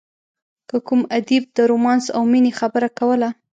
که کوم ادیب د رومانس او مینې خبره کوله.